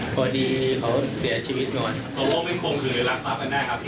ที่นั่งใจตั้งแต่แรกครับ